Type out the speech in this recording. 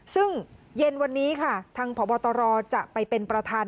ซึ่งเย็นวันนี้ค่ะทางพบตรจะไปเป็นประธาน